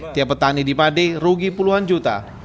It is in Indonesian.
tiap petani di pade rugi puluhan juta